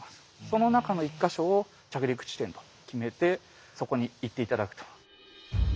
その中の１か所を着陸地点と決めてそこに行って頂くと。